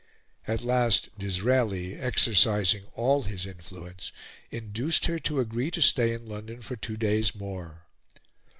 At last Disraeli, exercising all his influence, induced her to agree to stay in London for two days more.